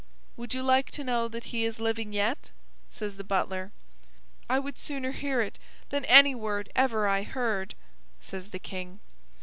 "Would you like to know he is living yet?" says the butler. "I would sooner hear it than any word ever I heard," says the King.